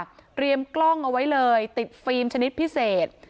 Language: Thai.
เตรียมกล้องเอาไว้เลยติดฟิล์มชนิดพิเศษ